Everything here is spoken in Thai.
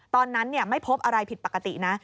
ตอนนั้นไม่พบอะไรผิดปกตินะ